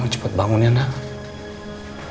cepat bangun ya naga